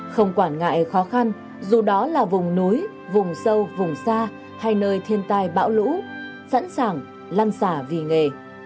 không quản ngại khó khăn dù đó là vùng núi vùng sâu vùng xa hay nơi thiên tai bão lũ sẵn sàng lăn xả vì nghề